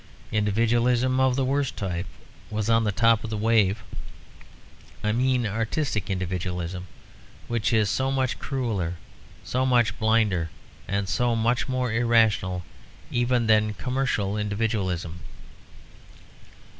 Individualism of the worst type was on the top of the wave; I mean artistic individualism, which is so much crueller, so much blinder and so much more irrational even than commercial individualism.